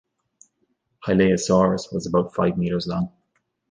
"Hylaeosaurus" was about five metres long.